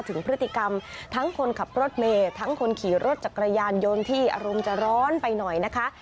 ถึงพฤติกรรมทั้งคนขับรถเมย์ทั้งคนขี่รถจักรยานยนต์ที่อารมณ์จะร้อนไปหน่อยนะคะ